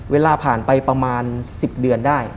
เวลาผ่านไปประมาณ๑๐เดือนได้